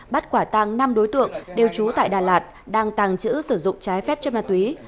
bắt quả tăng năm đối tượng đều trú tại đà lạt đang tàng trữ sử dụng trái phép chất ma túy